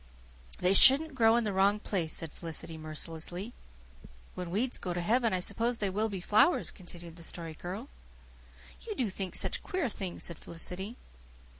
"They shouldn't grow in the wrong place," said Felicity mercilessly. "When weeds go to heaven I suppose they will be flowers," continued the Story Girl. "You do think such queer things," said Felicity.